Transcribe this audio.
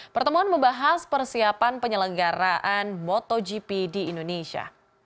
pertemuan membahas persiapan penyelenggaraan motogp di indonesia